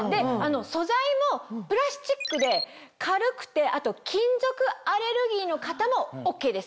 素材もプラスチックで軽くてあと金属アレルギーの方もＯＫです。